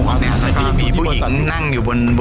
โอ้โห